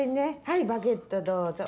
はいバゲットどうぞ。